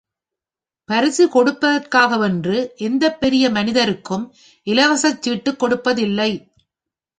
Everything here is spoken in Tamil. பரிசு கொடுப்பதற்காகவென்று எந்தப் பெரிய மனிதருக்கும் இலவசச் சீட்டுக் கொடுப்பதில்லை.